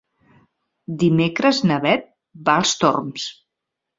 Dimecres na Beth va als Torms.